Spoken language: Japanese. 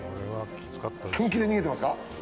本気で逃げてますか？